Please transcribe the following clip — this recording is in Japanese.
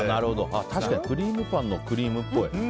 確かにクリームパンのクリームっぽい。